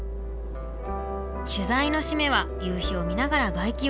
取材の締めは夕日を見ながら外気浴。